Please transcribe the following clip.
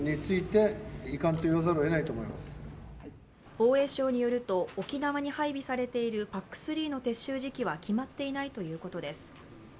防衛省によると沖縄に配備されているＰＡＣ−３の撤収時期は決まっていないということです。